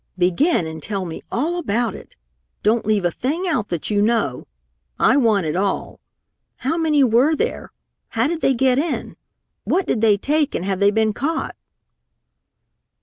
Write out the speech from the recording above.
Begin and tell me all about it! Don't leave a thing out that you know. I want it all! How many were there? How did they get in? What did they take, and have they been caught?"